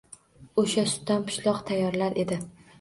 Oʻsha sutdan pishloq tayyorlar edi.